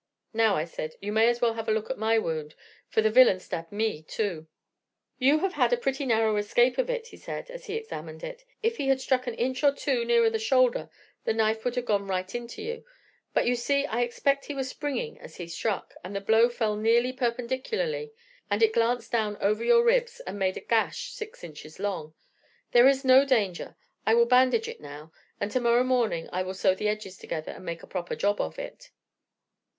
"'Now,' I said, 'you may as well have a look at my wound, for the villain stabbed me too.' "'You have had a pretty narrow escape of it,' he said, as he examined it. 'If he had struck an inch or two nearer the shoulder the knife would have gone right into you; but you see I expect he was springing as he struck, and the blow fell nearly perpendicularly, and it glanced down over your ribs, and made a gash six inches long. There is no danger. I will bandage it now, and tomorrow morning I will sew the edges together, and make a proper job of it.'